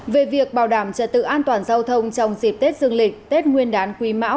về việc bảo đảm trật tự an toàn giao thông trong dịp tết dương lịch tết nguyên đán quý mão